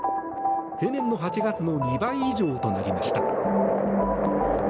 平年の８月の２倍以上となりました。